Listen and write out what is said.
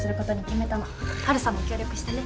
ハルさんも協力してね。